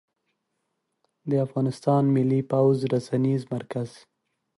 د افغانستان ملى پوځ رسنيز مرکز